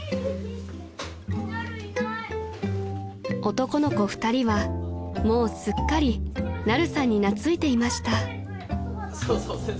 ［男の子２人はもうすっかりナルさんに懐いていました］